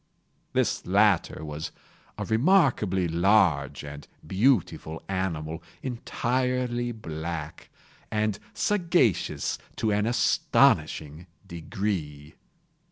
This latter was a remarkably large and beautiful animal, entirely black, and sagacious to an astonishing degree.